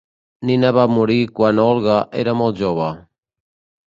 Nina va morir quan Olga era molt jove.